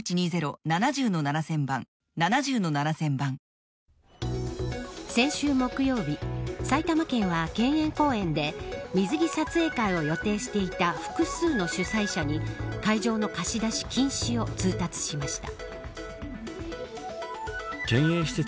解禁‼先週木曜日埼玉県は県営公園で水着撮影会を予定していた複数の主催者に会場の貸し出し禁止を通達しました。